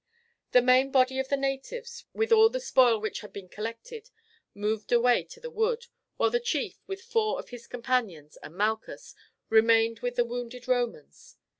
The main body of the natives, with all the spoil which had been collected, moved away to the wood, while the chief, with four of his companions and Malchus, remained with the wounded Romans.